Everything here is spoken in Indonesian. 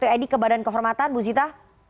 presiden edy ke badan kehormatan bu zita